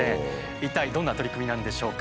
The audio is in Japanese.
一体どんな取り組みなんでしょうか？